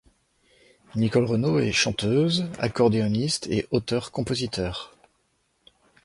Nicole Renaud est chanteuse, accordéoniste et auteur compositeur.